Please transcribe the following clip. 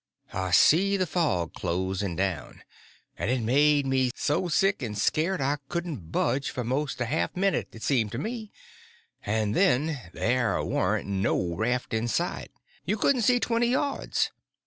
I see the fog closing down, and it made me so sick and scared I couldn't budge for most a half a minute it seemed to me—and then there warn't no raft in sight; you couldn't see twenty yards.